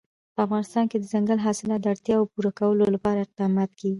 په افغانستان کې د دځنګل حاصلات د اړتیاوو پوره کولو لپاره اقدامات کېږي.